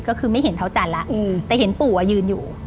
ก็คือไม่เห็นเท้าจันทร์แล้วแต่เห็นปู่ยืนอยู่